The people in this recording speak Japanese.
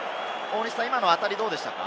今の当たりはどうでしたか？